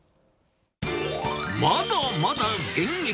まだまだ現役！